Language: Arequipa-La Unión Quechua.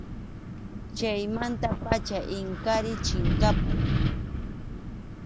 Chaymanta pacham Inkariy chinkapun.